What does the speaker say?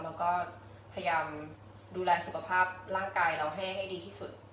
แล้วก็พยายามดูแลสุขภาพร่างกายเราให้ดีที่สุด